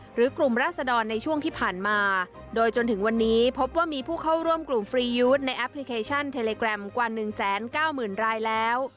หรือกลุ่มราศดรในช่วงที่ผ่านมาโดยจนถึงวันนี้พบว่ามีผู้เข้าร่วมกลุ่มฟรียูทในแอปพลิเคชันเทเลแกรมกว่า๑๙๐๐รายแล้ว